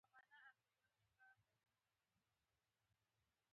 موږ د طبیعت له ښکلا خوند واخیست.